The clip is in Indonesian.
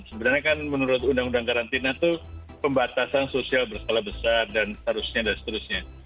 sebenarnya kan menurut undang undang karantina itu pembatasan sosial berskala besar dan harusnya dan seterusnya